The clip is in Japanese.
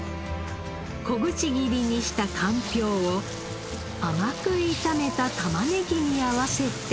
小口切りにしたかんぴょうを甘く炒めた玉ねぎに合わせて。